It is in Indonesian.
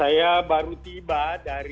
saya baru tiba dari